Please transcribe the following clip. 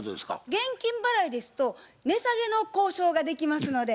現金払いですと値下げの交渉ができますので。